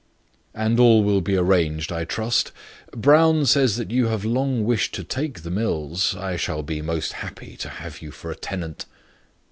"And all will be arranged, I trust? Brown says you have long wished to take the mills; I shall be most happy to have you for a tenant."